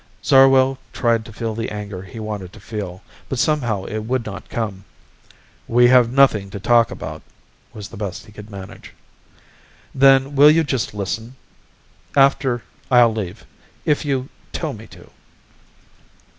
Zarwell tried to feel the anger he wanted to feel, but somehow it would not come. "We have nothing to talk about," was the best he could manage. "Then will you just listen? After, I'll leave if you tell me to."